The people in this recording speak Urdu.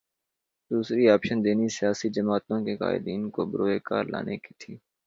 دوسری آپشن دینی سیاسی جماعتوں کے قائدین کو بروئے کار لانے کی تھی۔